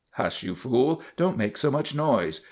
Hush, you fool! Don't make so much noise.